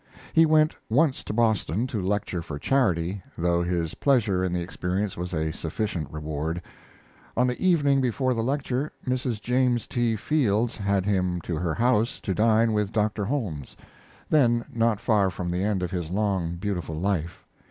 He went once to Boston to lecture for charity, though his pleasure in the experience was a sufficient reward. On the evening before the lecture Mrs. James T. Fields had him to her house to dine with Dr. Holmes, then not far from the end of his long, beautiful life.